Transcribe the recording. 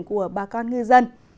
của bà con ngư dân